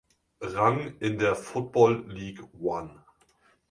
Rang in der Football League One.